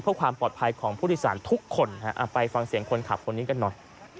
เพื่อความปลอดภัยของผู้โดยสารทุกคนไปฟังเสียงคนขับคนนี้กันหน่อย